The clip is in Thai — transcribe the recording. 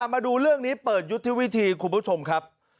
มาดูเรื่องนี้เปิดยุทธวิธีคุณผู้ชมครับ